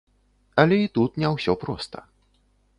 Але і тут не ўсё проста.